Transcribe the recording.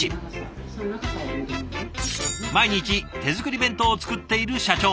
毎日手作り弁当を作っている社長